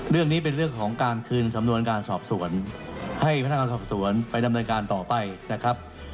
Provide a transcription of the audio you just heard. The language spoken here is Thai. เรื่องนี้เป็นเรื่องของการคืนสำนวนการสอบสวนให้พนักงานสอบสวนไปดำเนินการต่อไปนะครับ